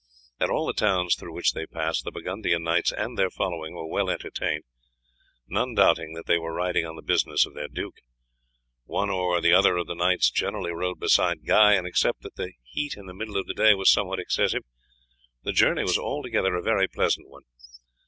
At all the towns through which they passed the Burgundian knights and their following were well entertained, none doubting that they were riding on the business of their duke. One or other of the knights generally rode beside Guy, and except that the heat in the middle of the day was somewhat excessive, the journey was altogether a very pleasant one.